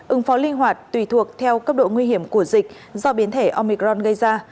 ứng phó linh hoạt tùy thuộc theo cấp độ nguy hiểm của dịch do biến thể omicron gây ra